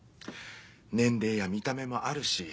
年齢や見た目もあるし